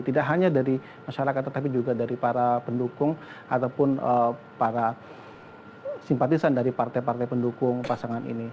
tidak hanya dari masyarakat tetapi juga dari para pendukung ataupun para simpatisan dari partai partai pendukung pasangan ini